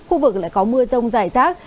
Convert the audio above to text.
khu vực lại có mưa rông dài rác